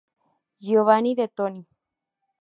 Giovanni de Toni.